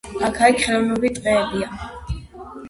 აქა-იქ ხელოვნური ტყეებია.